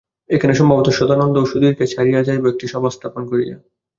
এখানে সম্ভবত সদানন্দ ও সুধীরকে ছাড়িয়া যাইব একটি সভা স্থাপন করিয়া।